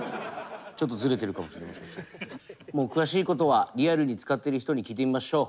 もう詳しいことはリアルに使ってる人に聞いてみましょう。